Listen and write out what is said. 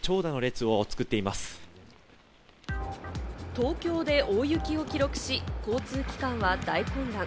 東京で大雪を記録し、交通機関は大混乱。